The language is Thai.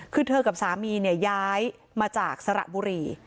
คือเธอกับสามีเนี่ยย้ายมาจากสระบุรี